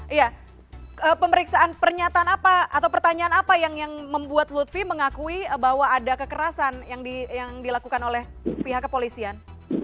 iya pemeriksaan pernyataan apa atau pertanyaan apa yang membuat lutfi mengakui bahwa ada kekerasan yang dilakukan oleh pihak kepolisian